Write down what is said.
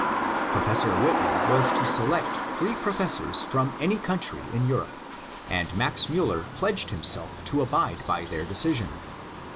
Professor Whitney was to select three professors from any country in Europe, and Max Miiller pledged himself to abide by their decision.